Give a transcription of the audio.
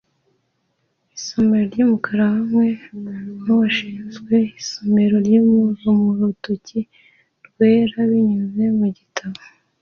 Isomero ryumukara hamwe nuwashinzwe isomero murutoki rwera binyuze mugitabo